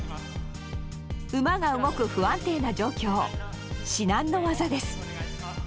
馬が動く不安定な状況至難の業です。